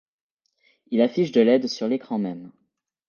Il affiche de l'aide sur l'écran-même.